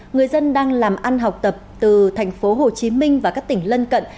người dân đang làm ăn học tập từ thành phố hồ chí minh và các tỉnh lân cận